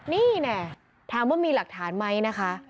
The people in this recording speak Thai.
นี่แน่ถามว่ามีหลักฐานไหมนะคะ